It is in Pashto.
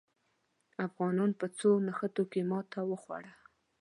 افغانانو په څو نښتو کې ماته وخوړه.